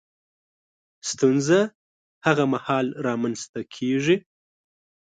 ستونزه هغه مهال رامنځ ته کېږي